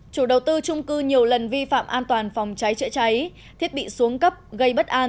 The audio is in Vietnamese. chủ đầu tư trung cư nhiều lần vi phạm an toàn phòng cháy chữa cháy thiết bị xuống cấp gây bất an